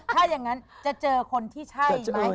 ถ้าอย่างนั้นจะเจอคนที่ใช่ไหม